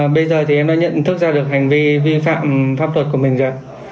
bây giờ thì em đã nhận thức ra được hành vi vi phạm pháp luật của mình rồi